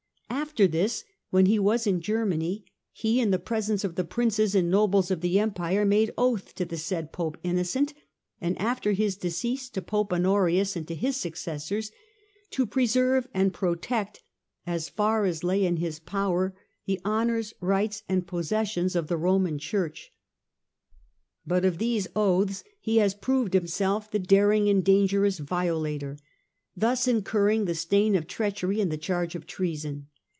After this, when he was in Germany, he, in the presence of the Princes and nobles of the Empire, made oath to the said Pope Innocent, and after his decease to Pope Honorius and to his successors, to preserve and protect, as far as lay in his power, the honours, rights, and possessions of the Roman Church. " But of these oaths he has proved himself the daring and dangerous violator ; thus incurring the stain of treachery and the charge of treason.